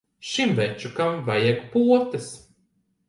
Šim večukam vajag potes.